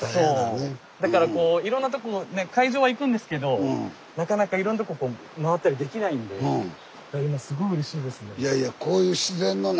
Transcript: だからこういろんなとこねっ会場は行くんですけどなかなかいろんなとここう回ったりできないんでいやすごい。